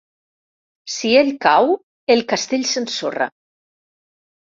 Si ell cau, el castell s’ensorra.